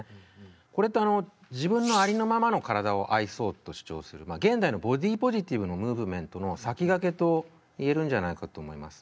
これって自分のありのままの体を愛そうと主張する現代のボディーポジティブのムーブメントの先駆けといえるんじゃないかと思います。